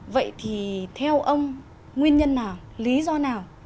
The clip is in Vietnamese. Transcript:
vậy thì theo ông nguyên nhân nào lý do nào